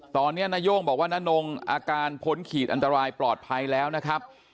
ตอนนี้นาย่งบอกว่าน้านงอาการพ้นขีดอันตรายปลอดภัยแล้วนะครับ